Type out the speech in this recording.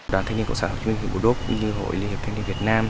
đoàn thanh niên cộng sản hồ chí minh hiệp hồ đốc như hội liên hiệp thanh niên việt nam